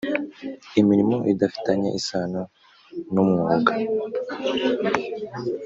imirimo idafitanye isano numwuga